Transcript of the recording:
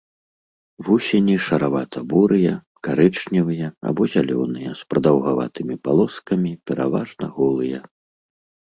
Вусені шаравата-бурыя, карычневыя або зялёныя з прадаўгаватымі палоскамі, пераважна голыя.